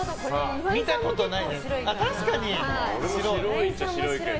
見たことないです。